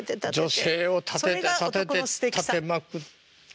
女性を立てて立てて立てまくって奉って。